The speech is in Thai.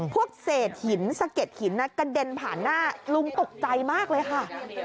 พวกเศษหินสะเก็ดหินกระเด็นผ่านหน้าลุงตกใจมากเลยค่ะ